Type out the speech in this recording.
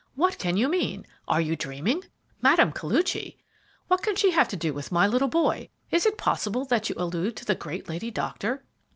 "What can you mean? Are you dreaming? Mme. Koluchy! What can she have to do with my little boy? Is it possible that you allude to the great lady doctor?"